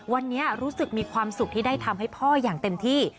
วันนี้รู้สึกมีความสุขที่ได้ทำให้พ่ออย่างเต็มที่